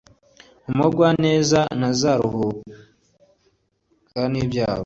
Umugwaneza ntazahura nibyago